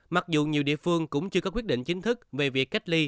mặc dù nhiều địa phương cũng chưa có quyết định chính thức về việc cách ly